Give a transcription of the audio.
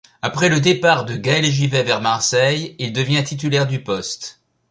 Après le départ de Gaël Givet vers Marseille, il devient titulaire du poste.